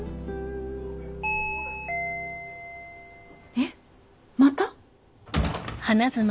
・えっまた？